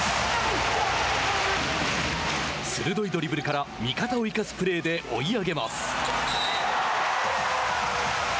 鋭いドリブルから味方を生かすプレーで追い上げます。